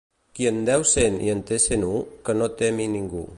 Qui en deu cent i en té cent u, que no temi ningú.